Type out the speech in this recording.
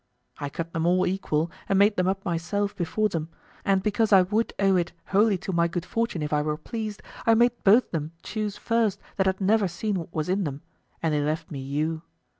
I cut them all equal and made them up myself before them, and because I would owe it wholly to my good fortune if I were pleased. I made both them choose first that had never seen what was in them, and they left me you.